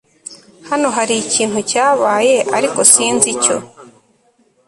Hano hari ikintu cyabaye ariko sinzi icyo